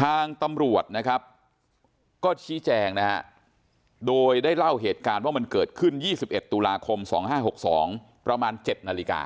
ทางตำรวจนะครับก็ชี้แจงนะฮะโดยได้เล่าเหตุการณ์ว่ามันเกิดขึ้น๒๑ตุลาคม๒๕๖๒ประมาณ๗นาฬิกา